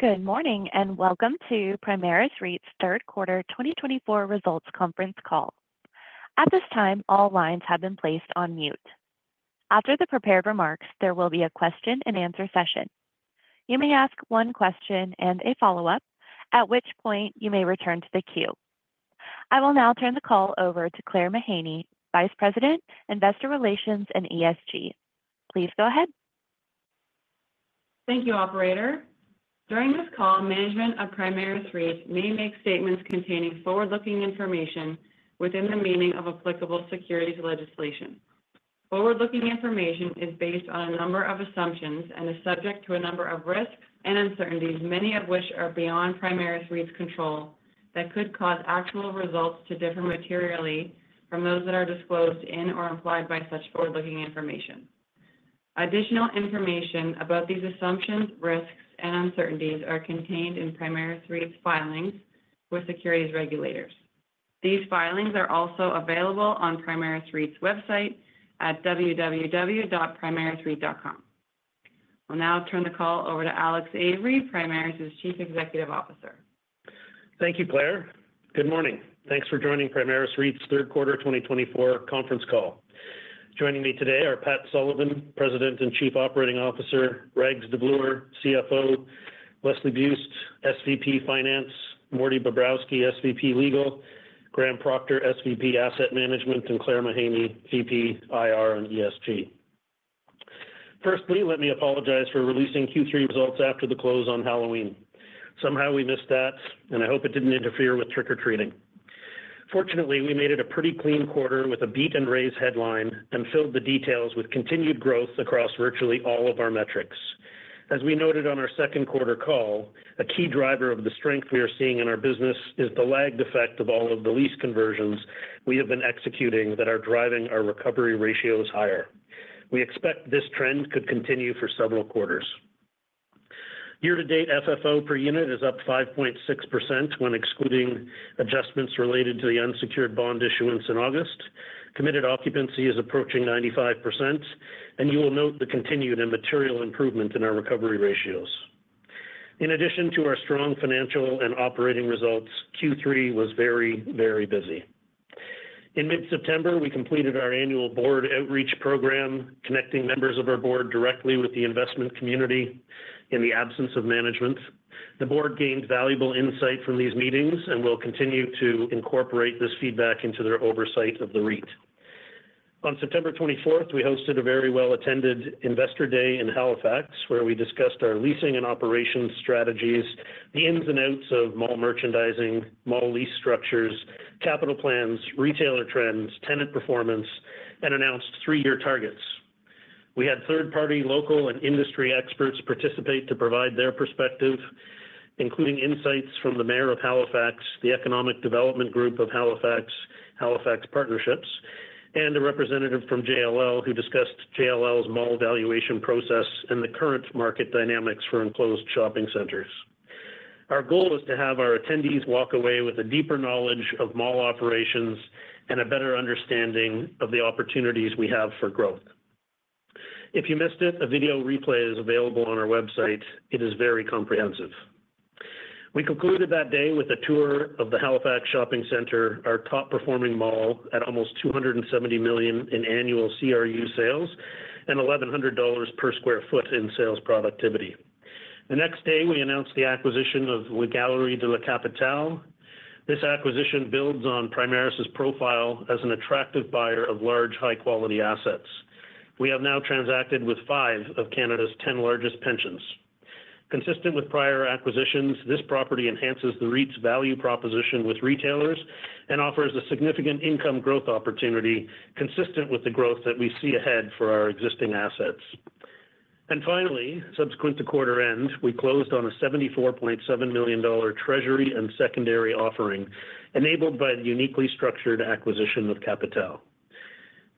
Good morning and welcome to Primaris REIT's third quarter 2024 results conference call. At this time, all lines have been placed on mute. After the prepared remarks, there will be a question-and-answer session. You may ask one question and a follow-up, at which point you may return to the queue. I will now turn the call over to Claire Mahaney, Vice President, Investor Relations and ESG. Please go ahead. Thank you, Operator. During this call, management of Primaris REIT may make statements containing forward-looking information within the meaning of applicable securities legislation. Forward-looking information is based on a number of assumptions and is subject to a number of risks and uncertainties, many of which are beyond Primaris REIT's control that could cause actual results to differ materially from those that are disclosed in or implied by such forward-looking information. Additional information about these assumptions, risks, and uncertainties are contained in Primaris REIT's filings with securities regulators. These filings are also available on Primaris REIT's website at www.primarisreit.com. I'll now turn the call over to Alex Avery, Primaris's Chief Executive Officer. Thank you, Claire. Good morning. Thanks for joining Primaris REIT's third quarter 2024 conference call. Joining me today are Pat Sullivan, President and Chief Operating Officer; Rags Davloor, CFO; Leslie Buist, SVP Finance; Morty Bobrowski, SVP Legal; Graham Proctor, SVP Asset Management; and Claire Mahaney, VP IR and ESG. Firstly, let me apologize for releasing Q3 results after the close on Halloween. Somehow we missed that, and I hope it didn't interfere with trick-or-treating. Fortunately, we made it a pretty clean quarter with a beat-and-raise headline and filled the details with continued growth across virtually all of our metrics. As we noted on our second quarter call, a key driver of the strength we are seeing in our business is the lagged effect of all of the lease conversions we have been executing that are driving our recovery ratios higher. We expect this trend could continue for several quarters. Year-to-date FFO per unit is up 5.6% when excluding adjustments related to the unsecured bond issuance in August. Committed occupancy is approaching 95%, and you will note the continued and material improvement in our recovery ratios. In addition to our strong financial and operating results, Q3 was very, very busy. In mid-September, we completed our annual board outreach program, connecting members of our board directly with the investment community in the absence of management. The board gained valuable insight from these meetings and will continue to incorporate this feedback into their oversight of the REIT. On September 24th, we hosted a very well-attended Investor Day in Halifax, where we discussed our leasing and operations strategies, the ins and outs of mall merchandising, mall lease structures, capital plans, retailer trends, tenant performance, and announced three-year targets. We had third-party local and industry experts participate to provide their perspective, including insights from the Mayor of Halifax, the Economic Development Group of Halifax, Halifax Partnership, and a representative from JLL who discussed JLL's mall valuation process and the current market dynamics for enclosed shopping centers. Our goal is to have our attendees walk away with a deeper knowledge of mall operations and a better understanding of the opportunities we have for growth. If you missed it, a video replay is available on our website. It is very comprehensive. We concluded that day with a tour of the Halifax Shopping Centre, our top-performing mall at almost 270 million in annual CRU sales and 1,100 dollars per sq ft in sales productivity. The next day, we announced the acquisition of Galeries de la Capitale. This acquisition builds on Primaris's profile as an attractive buyer of large, high-quality assets. We have now transacted with five of Canada's ten largest pensions. Consistent with prior acquisitions, this property enhances the REIT's value proposition with retailers and offers a significant income growth opportunity consistent with the growth that we see ahead for our existing assets. And finally, subsequent to quarter end, we closed on a 74.7 million dollar treasury and secondary offering enabled by the uniquely structured acquisition of capitale.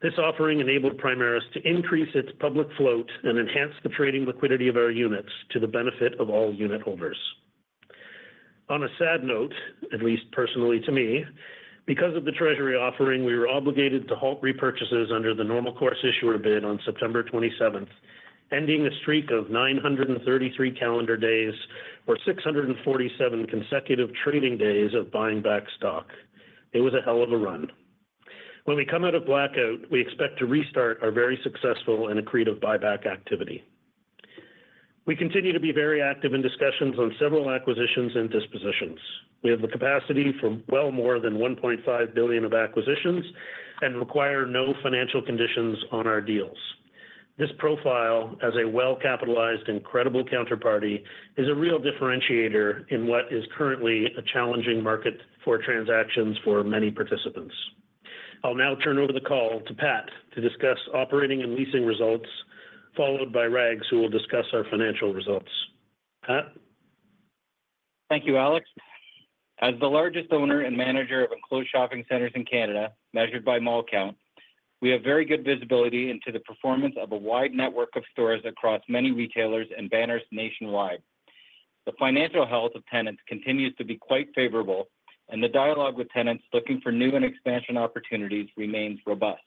This offering enabled Primaris to increase its public float and enhance the trading liquidity of our units to the benefit of all unit holders. On a sad note, at least personally to me, because of the treasury offering, we were obligated to halt repurchases under the normal course issuer bid on September 27th, ending a streak of 933 calendar days or 647 consecutive trading days of buying back stock. It was a hell of a run. When we come out of blackout, we expect to restart our very successful and accretive buyback activity. We continue to be very active in discussions on several acquisitions and dispositions. We have the capacity for well more than 1.5 billion of acquisitions and require no financial conditions on our deals. This profile as a well-capitalized and credible counterparty is a real differentiator in what is currently a challenging market for transactions for many participants. I'll now turn over the call to Pat to discuss operating and leasing results, followed by Rags, who will discuss our financial results. Pat? Thank you, Alex. As the largest owner and manager of enclosed shopping centers in Canada, measured by mall count, we have very good visibility into the performance of a wide network of stores across many retailers and banners nationwide. The financial health of tenants continues to be quite favorable, and the dialogue with tenants looking for new and expansion opportunities remains robust.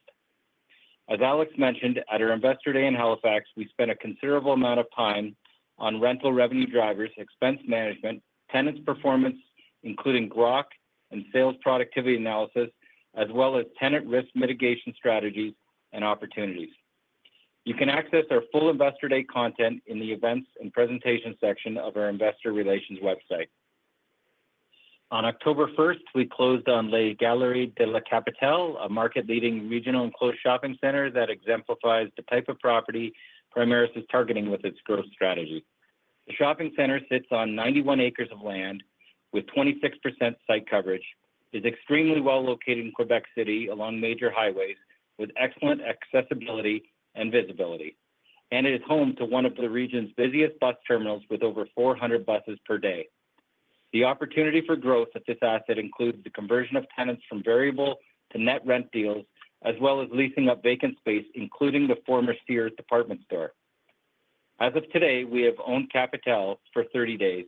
As Alex mentioned, at our Investor Day in Halifax, we spent a considerable amount of time on rental revenue drivers, expense management, tenants' performance, including GROC and sales productivity analysis, as well as tenant risk mitigation strategies and opportunities. You can access our full Investor Day content in the events and presentation section of our Investor Relations website. On October 1st, we closed on Galeries de la Capitale, a market-leading regional enclosed shopping center that exemplifies the type of property Primaris is targeting with its growth strategy. The shopping center sits on 91 acres of land with 26% site coverage, is extremely well located in Québec City along major highways with excellent accessibility and visibility, and it is home to one of the region's busiest bus terminals with over 400 buses per day. The opportunity for growth at this asset includes the conversion of tenants from variable to net rent deals, as well as leasing up vacant space, including the former Sears department store. As of today, we have owned capitale for 30 days,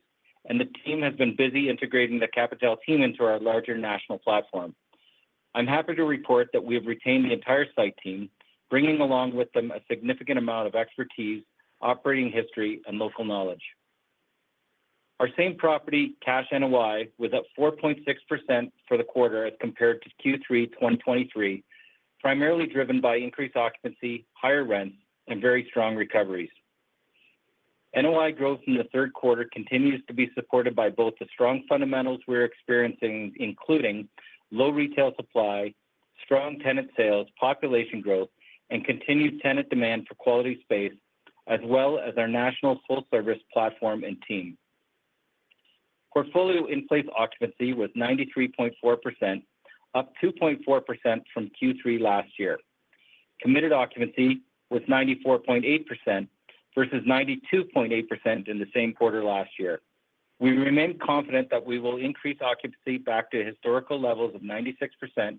and the team has been busy integrating the capitale team into our larger national platform. I'm happy to report that we have retained the entire site team, bringing along with them a significant amount of expertise, operating history, and local knowledge. Our same property, Cash NOI, was up 4.6% for the quarter as compared to Q3 2023, primarily driven by increased occupancy, higher rents, and very strong recoveries. NOI growth in the third quarter continues to be supported by both the strong fundamentals we're experiencing, including low retail supply, strong tenant sales, population growth, and continued tenant demand for quality space, as well as our national full-service platform and team. Portfolio in-place occupancy was 93.4%, up 2.4% from Q3 last year. Committed occupancy was 94.8% versus 92.8% in the same quarter last year. We remain confident that we will increase occupancy back to historical levels of 96%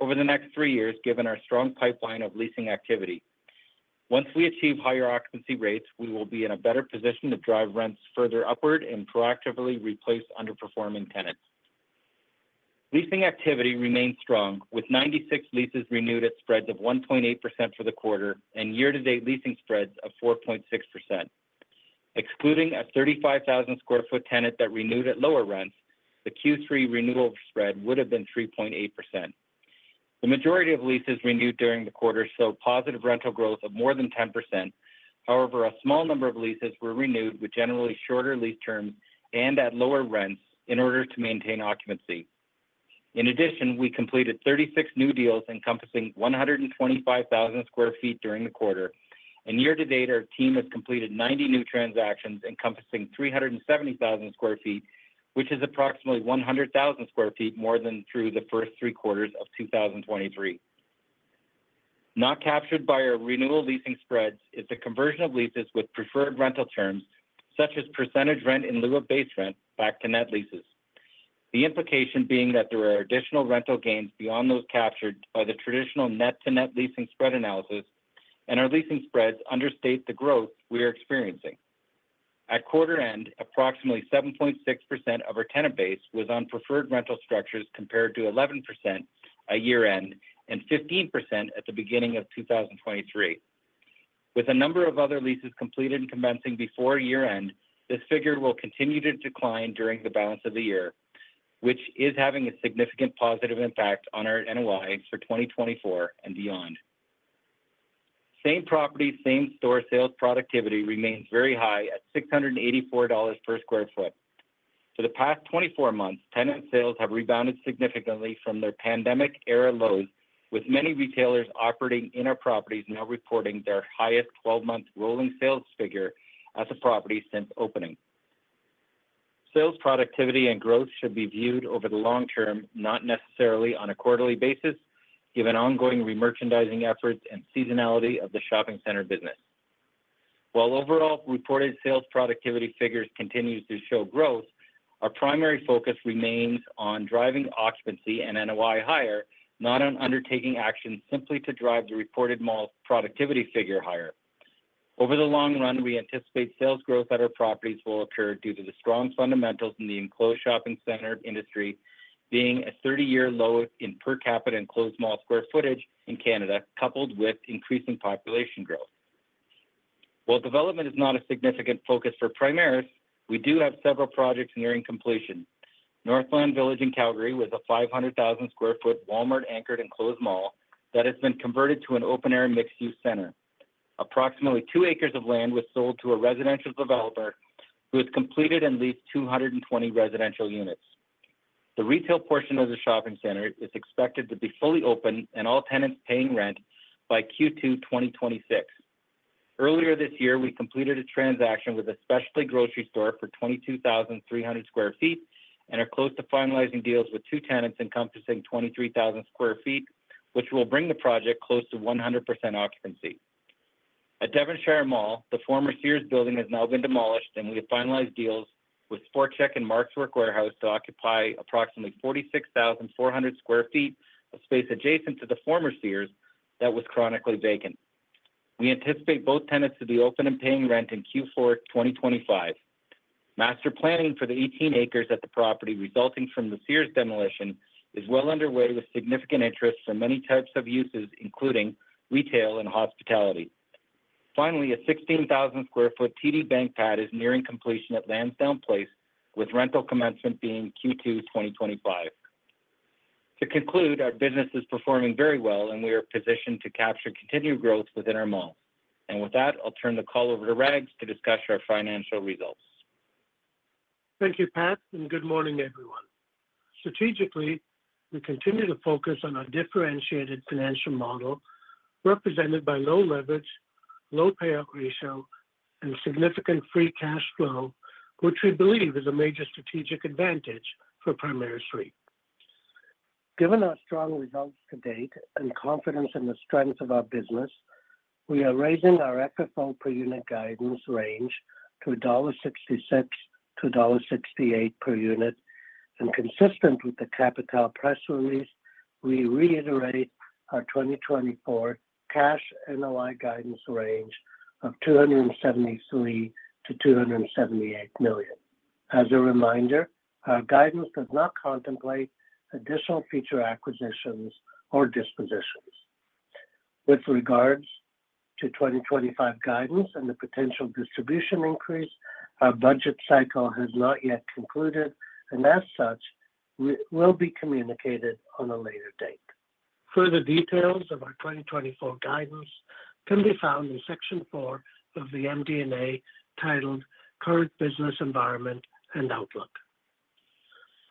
over the next three years, given our strong pipeline of leasing activity. Once we achieve higher occupancy rates, we will be in a better position to drive rents further upward and proactively replace underperforming tenants. Leasing activity remains strong, with 96 leases renewed at spreads of 1.8% for the quarter and year-to-date leasing spreads of 4.6%. Excluding a 35,000 sq ft tenant that renewed at lower rents, the Q3 renewal spread would have been 3.8%. The majority of leases renewed during the quarter saw positive rental growth of more than 10%. However, a small number of leases were renewed with generally shorter lease terms and at lower rents in order to maintain occupancy. In addition, we completed 36 new deals encompassing 125,000 sq ft during the quarter, and year-to-date, our team has completed 90 new transactions encompassing 370,000 sq ft, which is approximately 100,000 sq ft more than through the first three quarters of 2023. Not captured by our renewal leasing spreads is the conversion of leases with preferred rental terms, such as percentage rent in lieu of base rent, back to net leases. The implication being that there are additional rental gains beyond those captured by the traditional net-to-net leasing spread analysis, and our leasing spreads understate the growth we are experiencing. At quarter end, approximately 7.6% of our tenant base was on preferred rental structures compared to 11% at year-end and 15% at the beginning of 2023. With a number of other leases completed and commencing before year-end, this figure will continue to decline during the balance of the year, which is having a significant positive impact on our NOIs for 2024 and beyond. Same property, same store sales productivity remains very high at 684 dollars per sq ft. For the past 24 months, tenant sales have rebounded significantly from their pandemic-era lows, with many retailers operating in our properties now reporting their highest 12-month rolling sales figure at the property since opening. Sales productivity and growth should be viewed over the long term, not necessarily on a quarterly basis, given ongoing re-merchandising efforts and seasonality of the shopping center business. While overall reported sales productivity figures continue to show growth, our primary focus remains on driving occupancy and NOI higher, not on undertaking actions simply to drive the reported mall productivity figure higher. Over the long run, we anticipate sales growth at our properties will occur due to the strong fundamentals in the enclosed shopping center industry being a 30-year lowest in per capita enclosed mall square footage in Canada, coupled with increasing population growth. While development is not a significant focus for Primaris, we do have several projects nearing completion. Northland Village in Calgary was a 500,000 sq ft Walmart-anchored enclosed mall that has been converted to an open-air mixed-use center. Approximately two acres of land was sold to a residential developer who has completed at least 220 residential units. The retail portion of the shopping center is expected to be fully open and all tenants paying rent by Q2 2026. Earlier this year, we completed a transaction with a specialty grocery store for 22,300 sq ft and are close to finalizing deals with two tenants encompassing 23,000 sq ft, which will bring the project close to 100% occupancy. At Devonshire Mall, the former Sears building has now been demolished, and we have finalized deals with Sport Chek and Mark's Work Wearhouse to occupy approximately 46,400 sq ft of space adjacent to the former Sears that was chronically vacant. We anticipate both tenants to be open and paying rent in Q4 2025. Master planning for the 18 acres at the property resulting from the Sears demolition is well underway with significant interest for many types of uses, including retail and hospitality. Finally, a 16,000 sq ft TD Bank pad is nearing completion at Lansdowne Place, with rental commencement being Q2 2025. To conclude, our business is performing very well, and we are positioned to capture continued growth within our mall. And with that, I'll turn the call over to Rags to discuss our financial results. Thank you, Pat, and good morning, everyone. Strategically, we continue to focus on our differentiated financial model represented by low leverage, low payout ratio, and significant free cash flow, which we believe is a major strategic advantage for Primaris REIT. Given our strong results to date and confidence in the strength of our business, we are raising our FFO per unit guidance range to 1.66-1.68 dollar per unit. And consistent with the capitale press release, we reiterate our 2024 Cash NOI guidance range of 273 million-278 million. As a reminder, our guidance does not contemplate additional future acquisitions or dispositions. With regards to 2025 guidance and the potential distribution increase, our budget cycle has not yet concluded, and as such, will be communicated on a later date. Further details of our 2024 guidance can be found in Section 4 of the MD&A titled Current Business Environment and Outlook.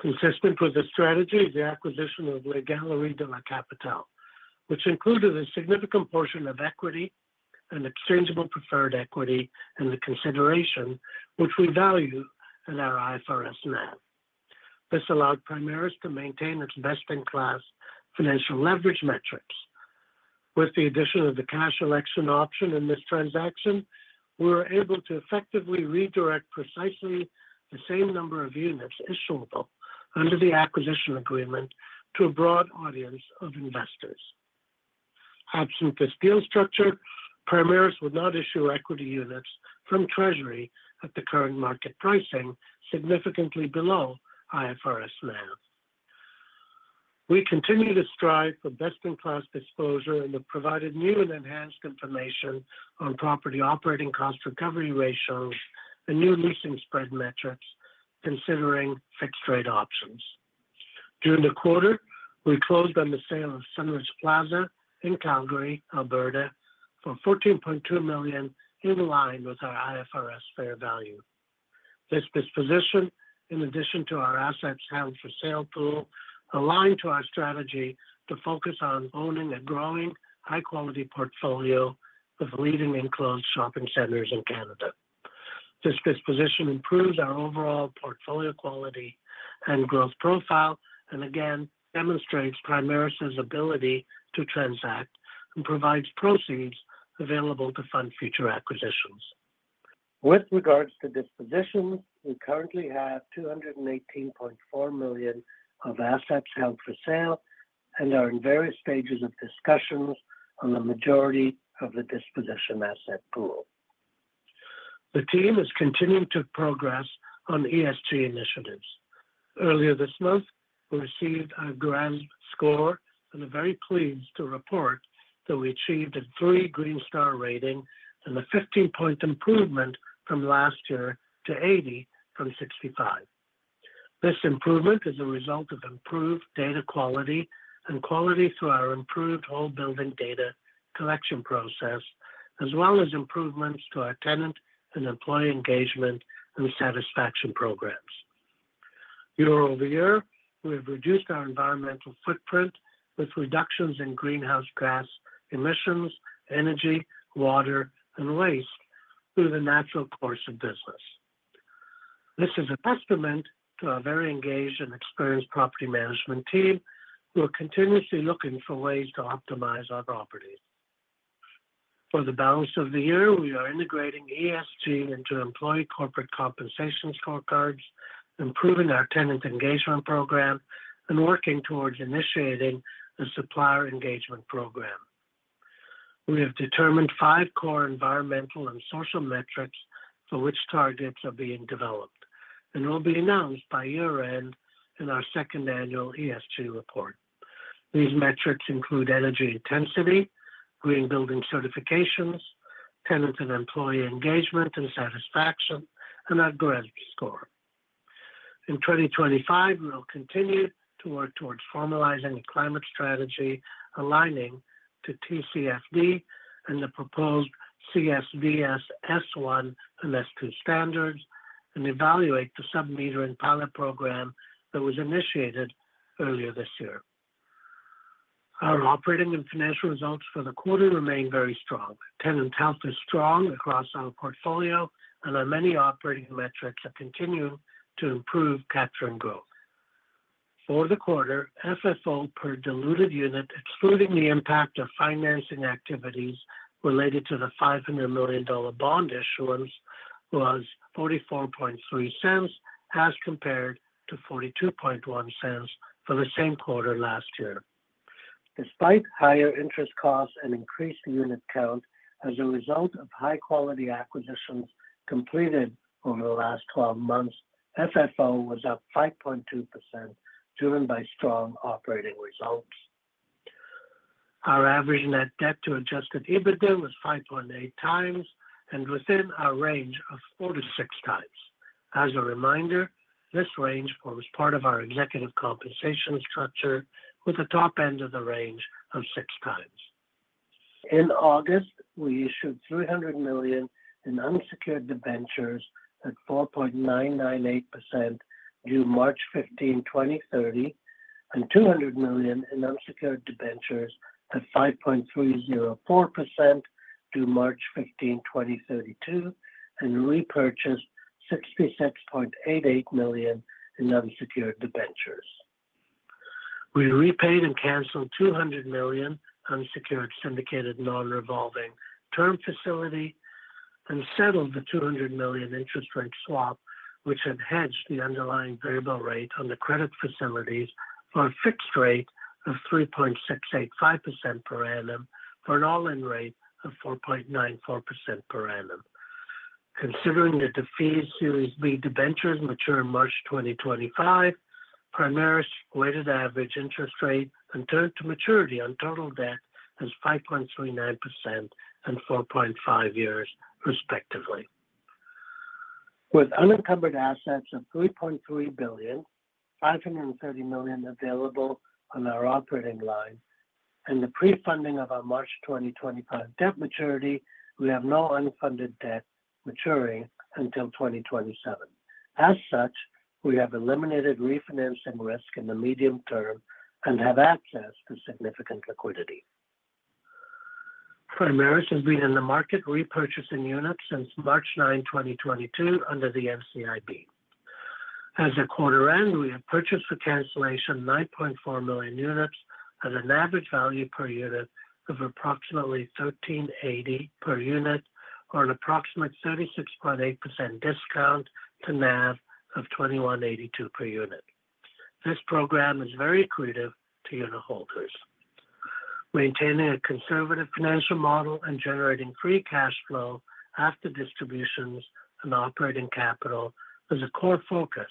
Consistent with the strategy of the acquisition of Galeries de la Capitale, which included a significant portion of equity and exchangeable preferred equity in the consideration which we value in our IFRS NAV. This allowed Primaris to maintain its best-in-class financial leverage metrics. With the addition of the cash election option in this transaction, we were able to effectively redirect precisely the same number of units issuable under the acquisition agreement to a broad audience of investors. Absent this deal structure, Primaris would not issue equity units from Treasury at the current market pricing significantly below IFRS NAV. We continue to strive for best-in-class disclosure and have provided new and enhanced information on property operating cost recovery ratios and new leasing spread metrics considering fixed-rate options. During the quarter, we closed on the sale of Sunridge Plaza in Calgary, Alberta, for 14.2 million in line with our IFRS fair value. This disposition, in addition to our assets held for sale pool, aligned to our strategy to focus on owning a growing high-quality portfolio of leading enclosed shopping centers in Canada. This disposition improves our overall portfolio quality and growth profile and again demonstrates Primaris's ability to transact and provides proceeds available to fund future acquisitions. With regards to dispositions, we currently have 218.4 million of assets held for sale and are in various stages of discussions on the majority of the disposition asset pool. The team is continuing to progress on ESG initiatives. Earlier this month, we received our GRESB and are very pleased to report that we achieved a 3 Green Star rating and a 15-point improvement from last year to 80 from 65. This improvement is a result of improved data quality through our improved whole building data collection process, as well as improvements to our tenant and employee engagement and satisfaction programs. Year-over-year, we have reduced our environmental footprint with reductions in greenhouse gas emissions, energy, water, and waste through the natural course of business. This is a testament to our very engaged and experienced property management team who are continuously looking for ways to optimize our properties. For the balance of the year, we are integrating ESG into employee corporate compensation scorecards, improving our tenant engagement program, and working towards initiating the supplier engagement program. We have determined five core environmental and social metrics for which targets are being developed and will be announced by year-end in our second annual ESG report. These metrics include energy intensity, green building certifications, tenant and employee engagement and satisfaction, and our GRESB score. In 2025, we will continue to work towards formalizing a climate strategy aligning to TCFD and the proposed ISSB S1 and S2 standards and evaluate the sub-metering pilot program that was initiated earlier this year. Our operating and financial results for the quarter remain very strong. Tenant health is strong across our portfolio, and our many operating metrics are continuing to improve capturing growth. For the quarter, FFO per diluted unit, excluding the impact of financing activities related to the 500 million dollar bond issuance, was 0.443 as compared to 0.421 for the same quarter last year. Despite higher interest costs and increased unit count as a result of high-quality acquisitions completed over the last 12 months, FFO was up 5.2%, driven by strong operating results. Our average net debt to Adjusted EBITDA was 5.8 times and within our range of 4-6 times. As a reminder, this range forms part of our executive compensation structure with a top end of the range of 6 times. In August, we issued 300 million in unsecured debentures at 4.998% due March 15, 2030, and 200 million in unsecured debentures at 5.304% due March 15, 2032, and repurchased 66.88 million in unsecured debentures. We repaid and canceled 200 million unsecured syndicated non-revolving term facility and settled the 200 million interest rate swap, which had hedged the underlying variable rate on the credit facilities for a fixed rate of 3.685% per annum for an all-in rate of 4.94% per annum. Considering the defeased Series B debentures mature in March 2025, Primaris weighted average interest rate and term to maturity on total debt is 5.39% and 4.5 years, respectively. With unencumbered assets of 3.3 billion, 530 million available on our operating line, and the pre-funding of our March 2025 debt maturity, we have no unfunded debt maturing until 2027. As such, we have eliminated refinancing risk in the medium term and have access to significant liquidity. Primaris has been in the market repurchasing units since March 9, 2022, under the NCIB. At quarter end, we have purchased for cancellation 9.4 million units at an average value per unit of approximately 1,380 per unit, or an approximate 36.8% discount to NAV of 2,182 per unit. This program is very accretive to unit holders. Maintaining a conservative financial model and generating free cash flow after distributions and operating Capitale is a core focus,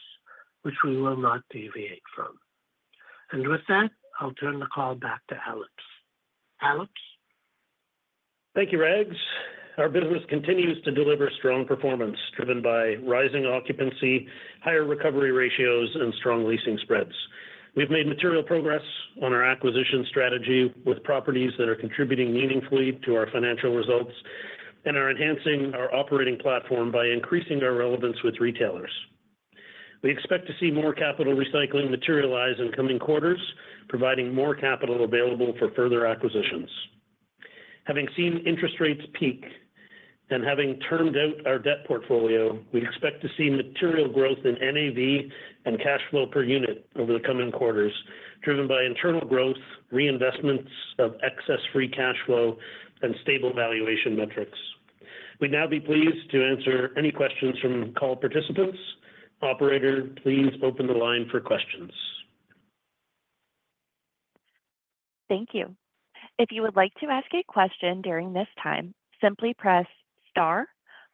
which we will not deviate from. And with that, I'll turn the call back to Alex. Alex? Thank you, Rags. Our business continues to deliver strong performance driven by rising occupancy, higher recovery ratios, and strong leasing spreads. We've made material progress on our acquisition strategy with properties that are contributing meaningfully to our financial results and are enhancing our operating platform by increasing our relevance with retailers. We expect to see more capital recycling materialize in coming quarters, providing more capital available for further acquisitions. Having seen interest rates peak and having termed out our debt portfolio, we expect to see material growth in NAV and cash flow per unit over the coming quarters, driven by internal growth, reinvestments of excess free cash flow, and stable valuation metrics. We'd now be pleased to answer any questions from call participants. Operator, please open the line for questions. Thank you. If you would like to ask a question during this time, simply press Star,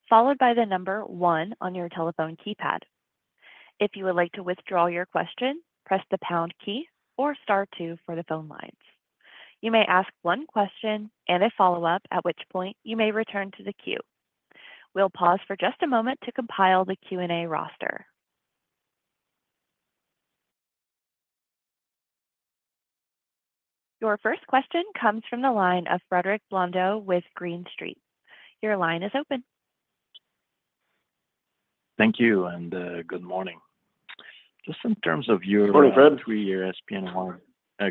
followed by the number one on your telephone keypad. If you would like to withdraw your question, press the pound key or Star two for the phone lines. You may ask one question and a follow-up, at which point you may return to the queue. We'll pause for just a moment to compile the Q&A roster. Your first question comes from the line of Frederick Blondeau with Green Street. Your line is open. Thank you and good morning. Just in terms of your. Good morning, Fred. Three-year SPNOI.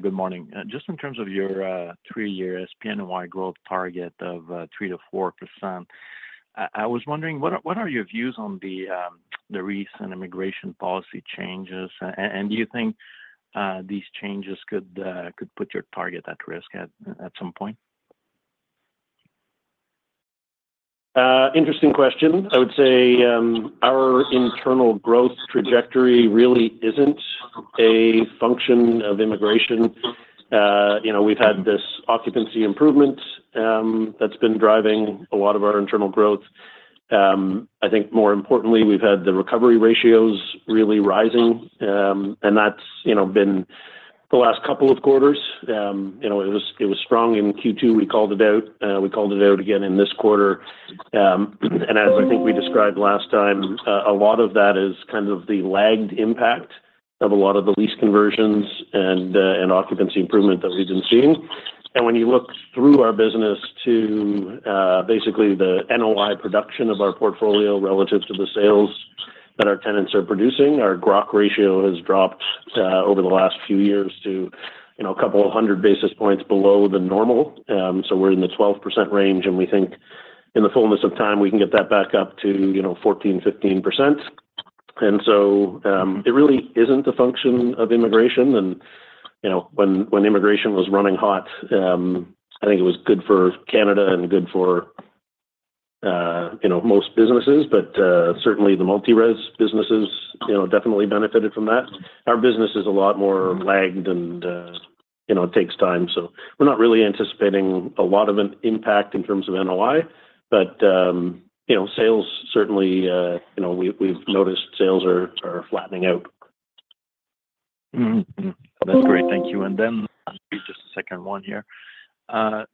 Good morning. Just in terms of your three-year SPNOI growth target of 3%-4%, I was wondering, what are your views on the recent immigration policy changes? And do you think these changes could put your target at risk at some point? Interesting question. I would say our internal growth trajectory really isn't a function of immigration. We've had this occupancy improvement that's been driving a lot of our internal growth. I think more importantly, we've had the recovery ratios really rising, and that's been the last couple of quarters. It was strong in Q2. We called it out. We called it out again in this quarter. And as I think we described last time, a lot of that is kind of the lagged impact of a lot of the lease conversions and occupancy improvement that we've been seeing. And when you look through our business to basically the NOI production of our portfolio relative to the sales that our tenants are producing, our GROC ratio has dropped over the last few years to a couple of hundred basis points below the normal. So we're in the 12% range, and we think in the fullness of time, we can get that back up to 14%-15%. And so it really isn't a function of immigration. And when immigration was running hot, I think it was good for Canada and good for most businesses, but certainly the multi-res businesses definitely benefited from that. Our business is a lot more lagged and takes time. So we're not really anticipating a lot of an impact in terms of NOI, but sales certainly, we've noticed sales are flattening out. That's great. Thank you. And then just a second one here.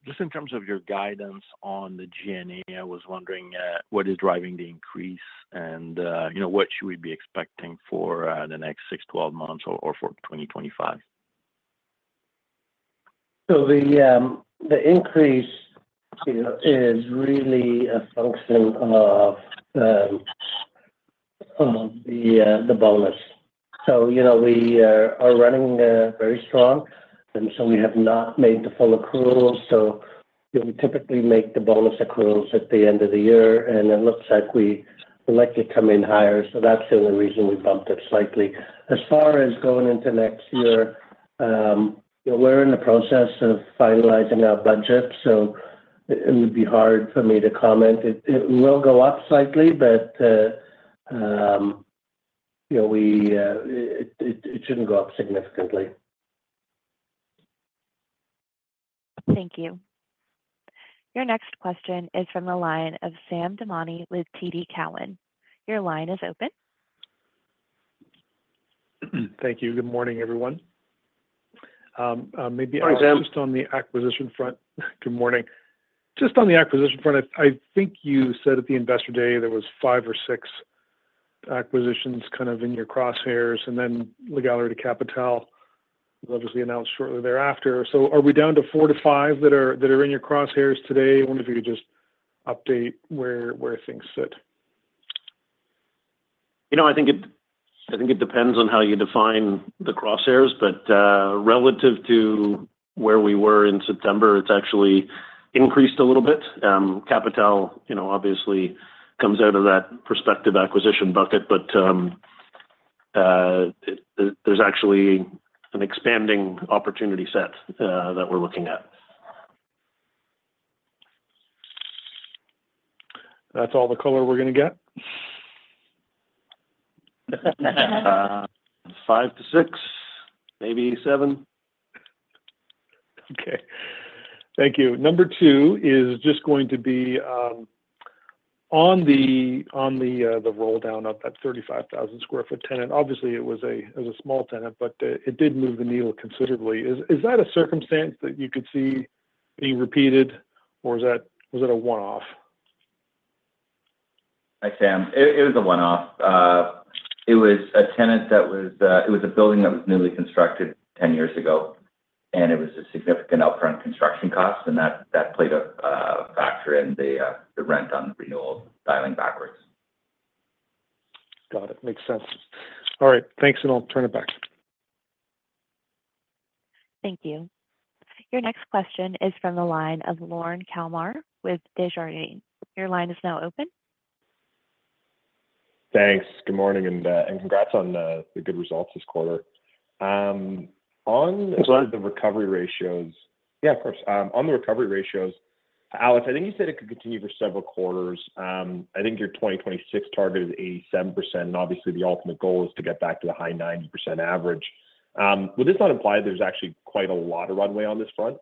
Just in terms of your guidance on the G&A, I was wondering what is driving the increase and what should we be expecting for the next 6, 12 months or for 2025? So the increase is really a function of the bonus. So we are running very strong, and so we have not made the full accrual. So we typically make the bonus accruals at the end of the year, and it looks like we would like to come in higher. So that's the only reason we bumped it slightly. As far as going into next year, we're in the process of finalizing our budget, so it would be hard for me to comment. It will go up slightly, but it shouldn't go up significantly. Thank you. Your next question is from the line of Sam Damiani with TD Cowen. Your line is open. Thank you. Good morning, everyone. Just on the acquisition front, I think you said at the investor day there was five or six acquisitions kind of in your crosshairs, and then Galeries de la Capitale was obviously announced shortly thereafter. So are we down to four to five that are in your crosshairs today? I wonder if you could just update where things sit. You know, I think it depends on how you define the crosshairs, but relative to where we were in September, it's actually increased a little bit. Capital obviously comes out of that prospective acquisition bucket, but there's actually an expanding opportunity set that we're looking at. That's all the color we're going to get? Five to six, maybe seven. Okay. Thank you. Number two is just going to be on the roll down of that 35,000 sq ft tenant. Obviously, it was a small tenant, but it did move the needle considerably. Is that a circumstance that you could see being repeated, or was that a one-off? Hi, Sam. It was a one-off. It was a tenant that was a building that was newly constructed 10 years ago, and it was a significant upfront construction cost, and that played a factor in the rent on renewal dialing backwards. Got it. Makes sense. All right. Thanks, and I'll turn it back. Thank you. Your next question is from the line of Lorne Kalmar with Desjardins. Your line is now open. Thanks. Good morning and congrats on the good results this quarter. As far as the recovery ratios? Yeah, of course. On the recovery ratios, Alex, I think you said it could continue for several quarters. I think your 2026 target is 87%, and obviously the ultimate goal is to get back to the high 90% average. Would this not imply there's actually quite a lot of runway on this front?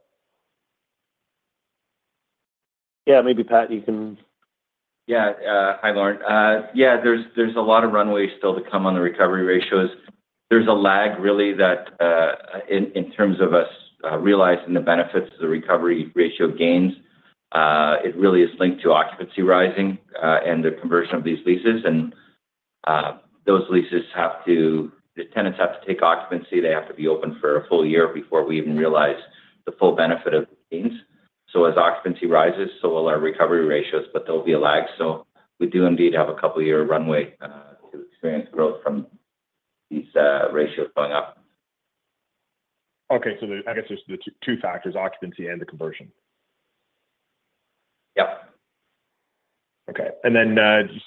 Yeah, maybe Pat, you can. Yeah. Hi, Lorne. Yeah, there's a lot of runway still to come on the recovery ratios. There's a lag, really, that in terms of us realizing the benefits of the recovery ratio gains. It really is linked to occupancy rising and the conversion of these leases, and those leases have to, the tenants have to take occupancy. They have to be open for a full year before we even realize the full benefit of the gains. As occupancy rises, so will our recovery ratios, but there'll be a lag. We do indeed have a couple-year runway to experience growth from these ratios going up. Okay. So I guess there's the two factors, occupancy and the conversion. Yep. Okay. And then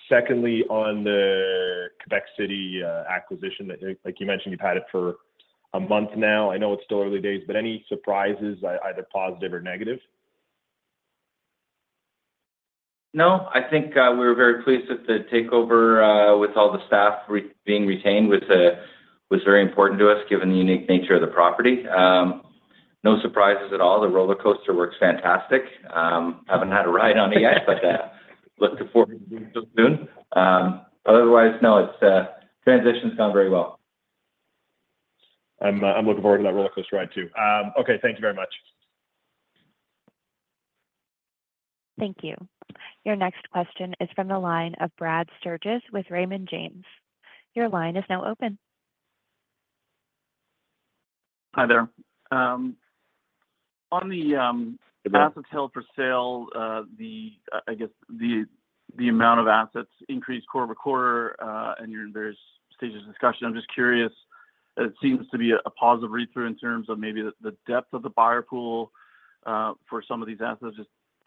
secondly, on the Quebec City acquisition, like you mentioned, you've had it for a month now. I know it's still early days, but any surprises, either positive or negative? No. I think we were very pleased with the takeover, with all the staff being retained was very important to us, given the unique nature of the property. No surprises at all. The roller coaster works fantastic. Haven't had a ride on it yet, but looking forward to doing so soon. Otherwise, no, it's transitioned down very well. I'm looking forward to that roller coaster ride too. Okay. Thank you very much. Thank you. Your next question is from the line of Brad Sturges with Raymond James. Your line is now open. Hi there. On the assets held for sale, I guess the amount of assets increased quarter to quarter, and there's stages of discussion. I'm just curious. It seems to be a positive read-through in terms of maybe the depth of the buyer pool for some of these assets.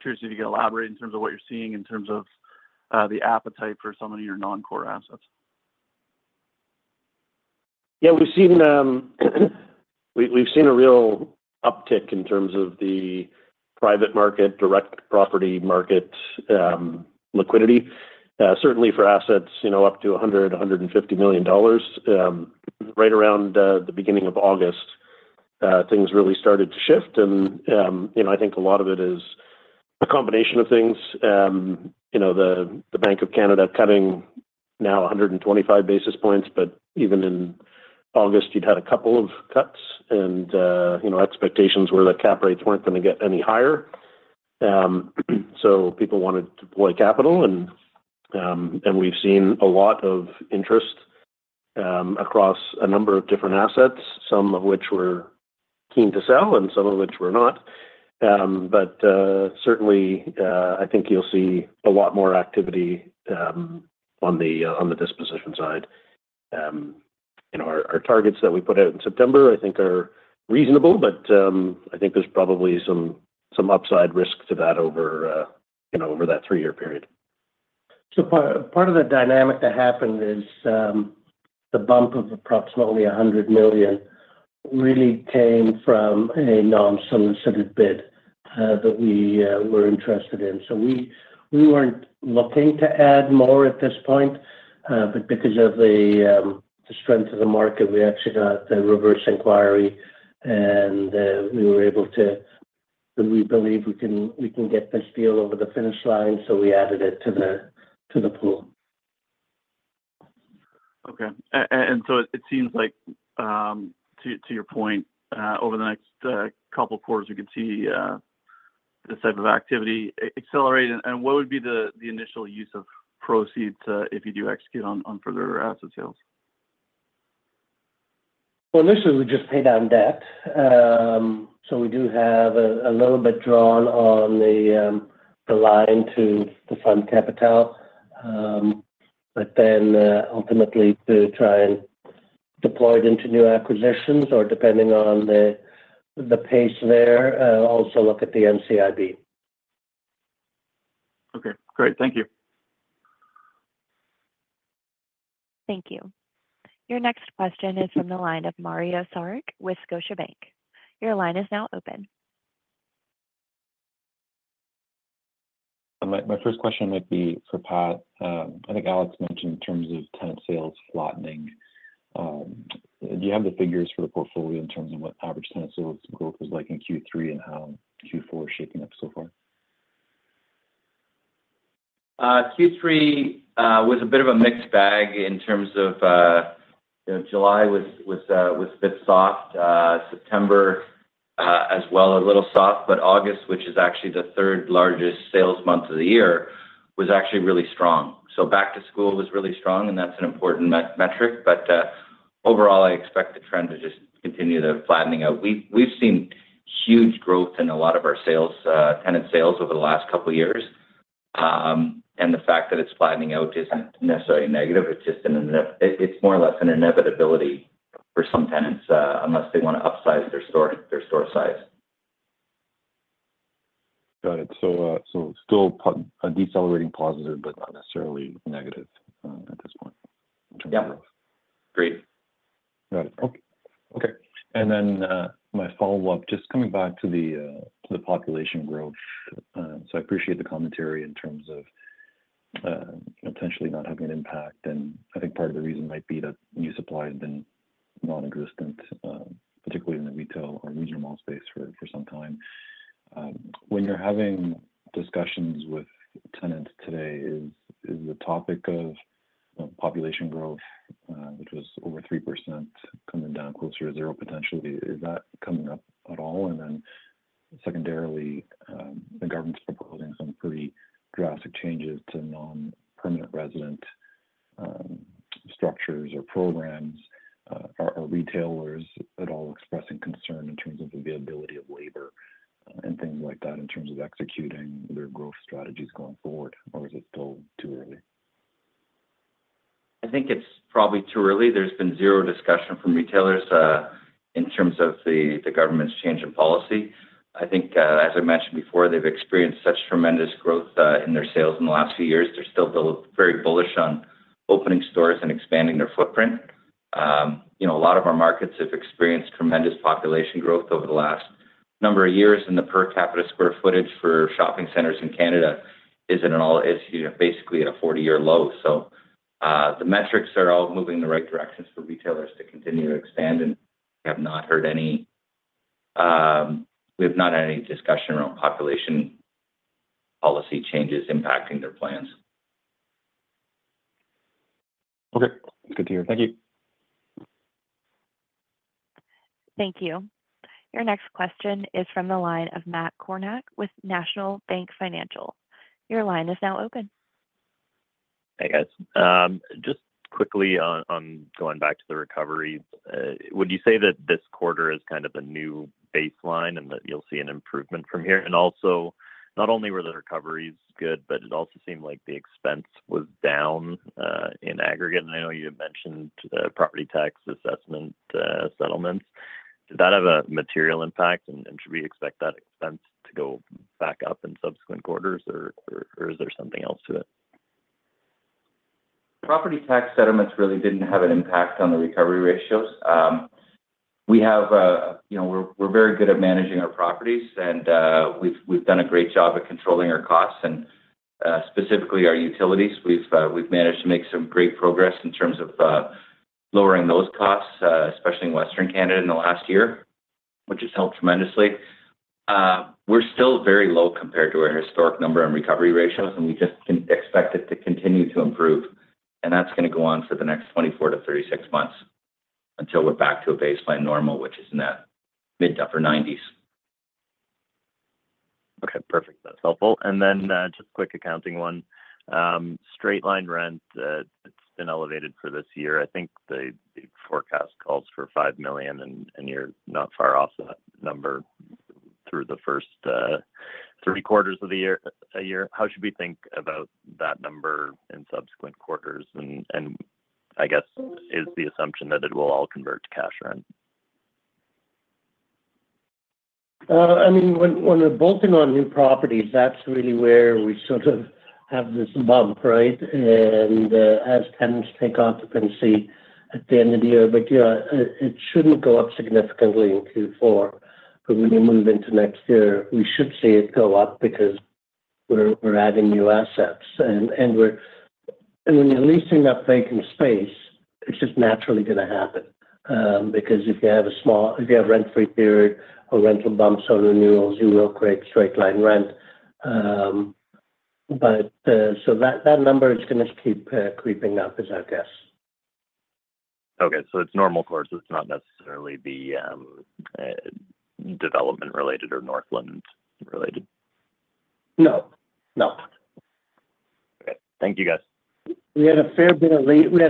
Just curious if you can elaborate in terms of what you're seeing in terms of the appetite for some of your non-core assets? Yeah. We've seen a real uptick in terms of the private market, direct property market liquidity. Certainly for assets up to 100 million-150 million dollars. Right around the beginning of August, things really started to shift, and I think a lot of it is a combination of things. The Bank of Canada cutting now 125 basis points, but even in August, you'd had a couple of cuts, and expectations were that cap rates weren't going to get any higher. So people wanted to deploy capital, and we've seen a lot of interest across a number of different assets, some of which we're keen to sell and some of which we're not. But certainly, I think you'll see a lot more activity on the disposition side. Our targets that we put out in September, I think, are reasonable, but I think there's probably some upside risk to that over that three-year period. So part of the dynamic that happened is the bump of approximately 100 million really came from a non-solicited bid that we were interested in. So we weren't looking to add more at this point, but because of the strength of the market, we actually got the reverse inquiry, and we were able to. We believe we can get this deal over the finish line, so we added it to the pool. Okay. And so it seems like, to your point, over the next couple of quarters, we could see this type of activity accelerate. And what would be the initial use of proceeds if you do execute on further asset sales? Initially, we just pay down debt. So we do have a little bit drawn on the line to fund capital, but then ultimately to try and deploy it into new acquisitions or depending on the pace there, also look at the NCIB. Okay. Great. Thank you. Thank you. Your next question is from the line of Mario Saric with Scotiabank. Your line is now open. My first question might be for Pat. I think Alex mentioned in terms of tenant sales flattening. Do you have the figures for the portfolio in terms of what average tenant sales growth was like in Q3 and how Q4 is shaping up so far? Q3 was a bit of a mixed bag in terms of, July was a bit soft. September as well, a little soft, but August, which is actually the third largest sales month of the year, was actually really strong. So back to school was really strong, and that's an important metric. But overall, I expect the trend to just continue to flattening out. We've seen huge growth in a lot of our tenant sales over the last couple of years, and the fact that it's flattening out isn't necessarily negative. It's more or less an inevitability for some tenants unless they want to upsize their store size. Got it. So still a decelerating positive, but not necessarily negative at this point in terms of growth. Yeah. Agreed. Got it. Okay, and then my follow-up, just coming back to the population growth. So I appreciate the commentary in terms of potentially not having an impact, and I think part of the reason might be that new supply has been non-existent, particularly in the retail or regional mall space for some time. When you're having discussions with tenants today, is the topic of population growth, which was over 3%, coming down closer to zero potentially, is that coming up at all? And then secondarily, the government's proposing some pretty drastic changes to non-permanent resident structures or programs. Are retailers at all expressing concern in terms of the availability of labor and things like that in terms of executing their growth strategies going forward, or is it still too early? I think it's probably too early. There's been zero discussion from retailers in terms of the government's change in policy. I think, as I mentioned before, they've experienced such tremendous growth in their sales in the last few years. They're still very bullish on opening stores and expanding their footprint. A lot of our markets have experienced tremendous population growth over the last number of years, and the per capita square footage for shopping centers in Canada is basically at a 40-year low. So the metrics are all moving in the right direction for retailers to continue to expand, and we have not heard any discussion around population policy changes impacting their plans. Okay. Good to hear. Thank you. Thank you. Your next question is from the line of Matt Kornak with National Bank Financial. Your line is now open. Hey, guys. Just quickly on going back to the recovery, would you say that this quarter is kind of a new baseline and that you'll see an improvement from here? And also, not only were the recoveries good, but it also seemed like the expense was down in aggregate. And I know you had mentioned property tax assessment settlements. Did that have a material impact, and should we expect that expense to go back up in subsequent quarters, or is there something else to it? Property tax settlements really didn't have an impact on the recovery ratios. We're very good at managing our properties, and we've done a great job at controlling our costs and specifically our utilities. We've managed to make some great progress in terms of lowering those costs, especially in Western Canada in the last year, which has helped tremendously. We're still very low compared to our historic number and recovery ratios, and we just can expect it to continue to improve, and that's going to go on for the next 24-36 months until we're back to a baseline normal, which is in that mid- to upper 90s. Okay. Perfect. That's helpful. And then just a quick accounting one. Straight line rent, it's been elevated for this year. I think the forecast calls for 5 million, and you're not far off that number through the first three quarters of the year. How should we think about that number in subsequent quarters? And I guess is the assumption that it will all convert to cash rent? I mean, when we're bolting on new properties, that's really where we sort of have this bump, right? And as tenants take occupancy at the end of the year, it shouldn't go up significantly in Q4. But when you move into next year, we should see it go up because we're adding new assets. And when you're leasing up vacant space, it's just naturally going to happen because if you have a small rent-free period or rental bumps on renewals, you will create straight line rent. So that number is going to keep creeping up, is our guess. Okay. So it's normal growth. It's not necessarily the development-related or Northland-related? No. No. Okay. Thank you, guys. We had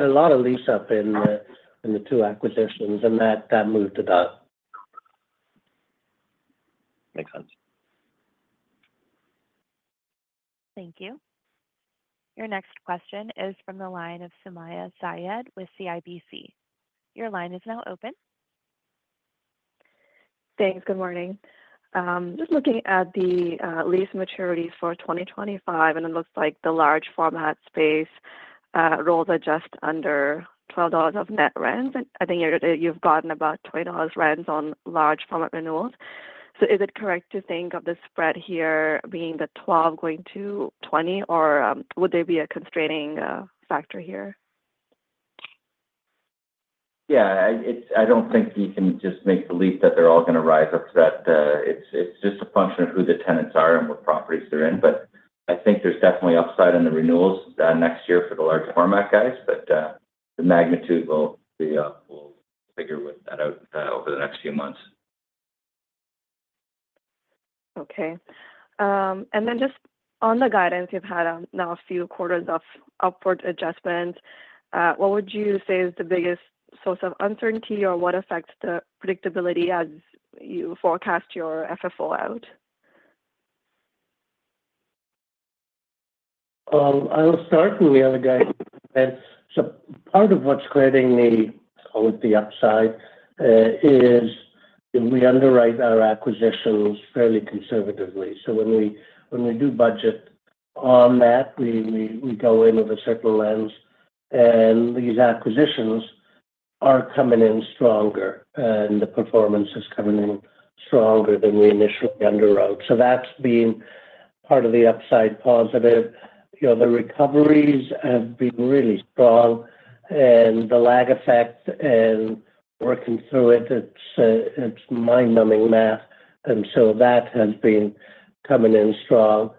a lot of lease-up in the two acquisitions, and that moved the dot. Makes sense. Thank you. Your next question is from the line of Sumayya Syed with CIBC. Your line is now open. Thanks. Good morning. Just looking at the lease maturities for 2025, and it looks like the large-format space rolls at just under 12 dollars of net rent. I think you've gotten about 20 dollars rent on large-format renewals. So is it correct to think of the spread here being the 12 going to 20, or would there be a constraining factor here? Yeah. I don't think you can just make believe that they're all going to rise up to that. It's just a function of who the tenants are and what properties they're in. But I think there's definitely upside in the renewals next year for the large-format guys, but the magnitude will figure with that out over the next few months. Okay. And then just on the guidance, you've had now a few quarters of upward adjustments. What would you say is the biggest source of uncertainty, or what affects the predictability as you forecast your FFO out? I will start with the other guy. So part of what's creating the, call it the upside, is we underwrite our acquisitions fairly conservatively. So when we do budget on that, we go in with a certain lens, and these acquisitions are coming in stronger, and the performance is coming in stronger than we initially underwrote. So that's been part of the upside positive. The recoveries have been really strong, and the lag effect and working through it, it's mind-numbing math. And so that has been coming in strong.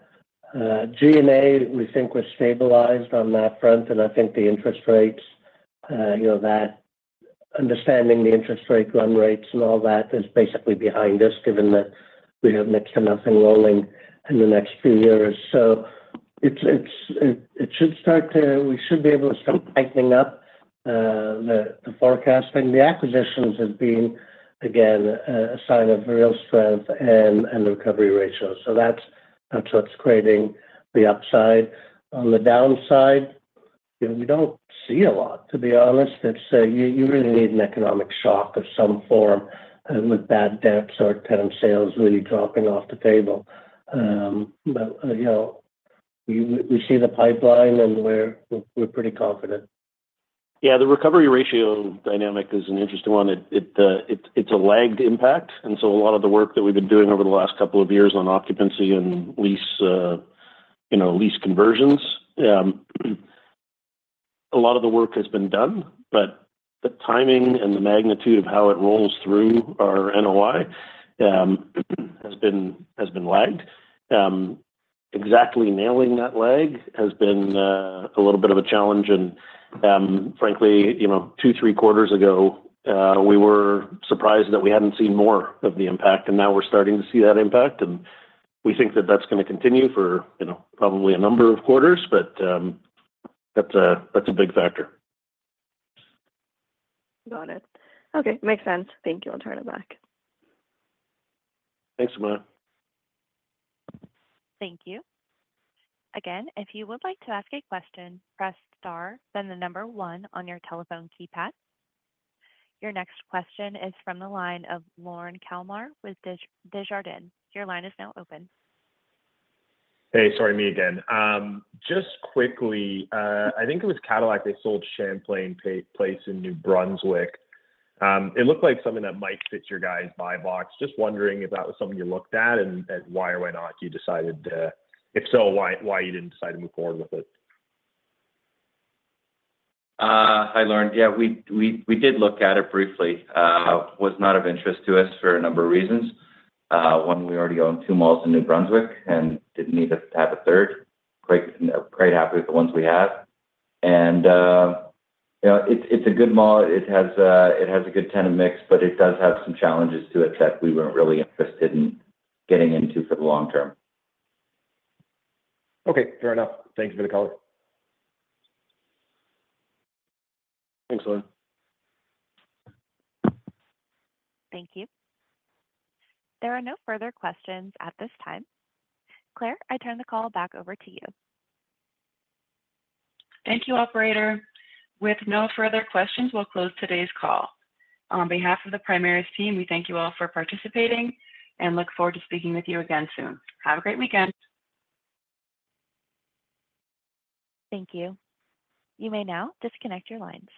G&A, we think we're stabilized on that front, and I think the interest rates, understanding the interest rate run rates and all that, is basically behind us given that we have fixed enough and rolling in the next few years. So it should start to. We should be able to start tightening up the forecast. The acquisitions have been, again, a sign of real strength and recovery ratios. That's what's creating the upside. On the downside, we don't see a lot, to be honest. You really need an economic shock of some form with bad debt or tenant sales really dropping off the table. We see the pipeline, and we're pretty confident. Yeah. The recovery ratio dynamic is an interesting one. It's a lagged impact, and so a lot of the work that we've been doing over the last couple of years on occupancy and lease conversions, a lot of the work has been done, but the timing and the magnitude of how it rolls through our NOI has been lagged. Exactly nailing that lag has been a little bit of a challenge, and frankly, two, three quarters ago, we were surprised that we hadn't seen more of the impact, and now we're starting to see that impact, and we think that that's going to continue for probably a number of quarters, but that's a big factor. Got it. Okay. Makes sense. Thank you. I'll turn it back. Thanks, Sumaya. Thank you. Again, if you would like to ask a question, press star, then the number one on your telephone keypad. Your next question is from the line of Lorne Kalmar with Desjardins. Your line is now open. Hey. Sorry, me again. Just quickly, I think it was Cadillac they sold Champlain Place in New Brunswick. It looked like something that might fit your guys' buy box. Just wondering if that was something you looked at and why or why not you decided to if so, why you didn't decide to move forward with it? Hi, Lorne. Yeah. We did look at it briefly. It was not of interest to us for a number of reasons. One, we already own two malls in New Brunswick and didn't need to have a third. Quite happy with the ones we have. And it's a good mall. It has a good tenant mix, but it does have some challenges to it that we weren't really interested in getting into for the long term. Okay. Fair enough. Thanks for the color. Thanks, Lorne. Thank you. There are no further questions at this time. Claire, I turn the call back over to you. Thank you, operator. With no further questions, we'll close today's call. On behalf of the Primaris team, we thank you all for participating and look forward to speaking with you again soon. Have a great weekend. Thank you. You may now disconnect your lines.